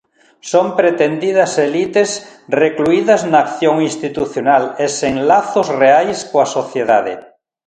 Son pretendidas elites, recluídas na acción institucional e sen lazos reais coa sociedade.